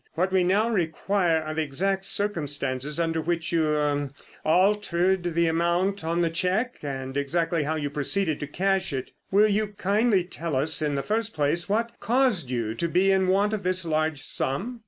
What we now require are the exact circumstances under which you—er—altered the amount on the cheque and exactly how you proceeded to cash it. Will you kindly tell us in the first place what caused you to be in want of this large sum?"